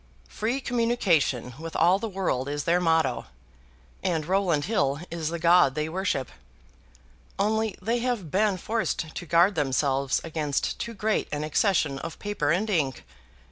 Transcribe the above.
Free communication with all the world is their motto, and Rowland Hill is the god they worship. Only they have been forced to guard themselves against too great an accession of paper and ink.